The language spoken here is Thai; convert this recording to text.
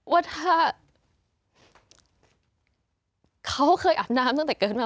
ว่าถ้าเขาเคยอาบน้ำตั้งแต่เกิดมา